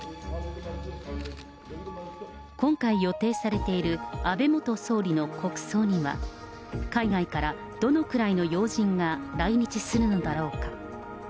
今回予定されている安倍元総理の国葬には、海外からどのくらいの要人が来日するのだろうか。